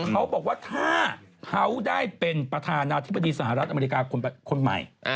เขาบอกว่าถ้าเขาได้เป็นประธานาธิบดีสหรัฐอเมริกาคนใหม่